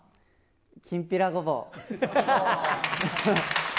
きんぴらごぼう。